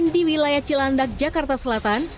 di wilayah cilandak jakarta selatan